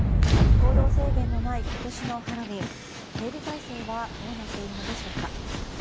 行動制限のない今年のハロウィーン警備態勢はどうなっているのでしょうか。